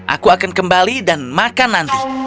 aku akan kembali dan makan nanti